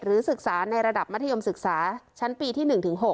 ศึกษาในระดับมัธยมศึกษาชั้นปีที่๑๖